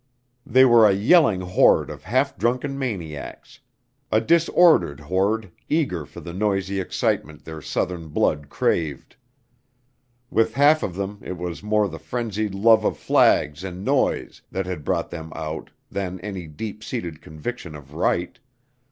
They were a yelling horde of half drunken maniacs, a disordered horde eager for the noisy excitement their Southern blood craved. With half of them it was more the frenzied love of flags and noise that had brought them out than any deep seated conviction of right.